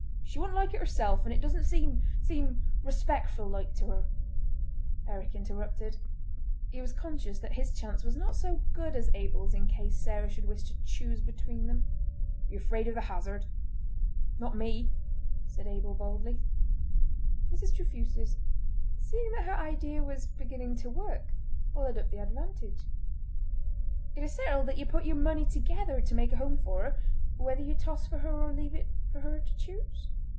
She wouldn't like it herself, and it doesn't seem—seem respectful like to her—" Eric interrupted. He was conscious that his chance was not so good as Abel's in case Sarah should wish to choose between them: "Are ye afraid of the hazard?" "Not me!" said Abel, boldly. Mrs. Trefusis, seeing that her idea was beginning to work, followed up the advantage. "It is settled that ye put yer money together to make a home for her, whether ye toss for her or leave it for her to choose?"